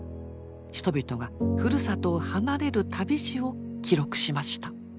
人々がふるさとを離れる旅路を記録しました。